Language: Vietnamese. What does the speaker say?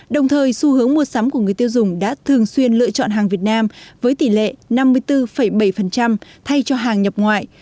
đồng thời xu hướng mua sắm của người tiêu dùng đã thường xuyên lựa chọn hàng việt nam với tỷ lệ năm mươi bốn bảy thay cho hàng nhập ngoại